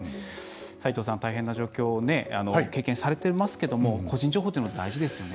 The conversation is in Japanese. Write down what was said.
斉藤さん、大変な状況を経験されてますけど個人情報というのは大事ですよね。